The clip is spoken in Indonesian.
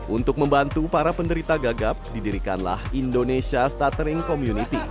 untuk membantu para penderita gagap didirikanlah indonesia statering community